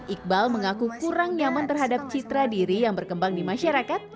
iqbal mengaku kurang nyaman terhadap citra diri yang berkembang di masyarakat